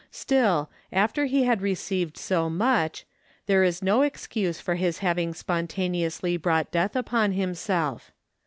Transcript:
Still, after he had received so much, there is no excuse for his having spontaneously brought death upon himself.